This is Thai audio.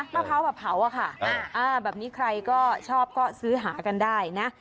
มะพร้าวผับเผาค่ะแบบนี้ใครชอบก็ซื้อหากันได้นะ